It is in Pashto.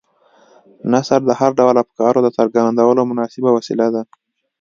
نثر د هر ډول افکارو د څرګندولو مناسبه وسیله ده.